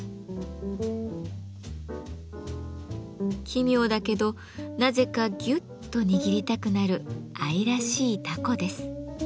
奇妙だけどなぜかぎゅっと握りたくなる愛らしいタコです。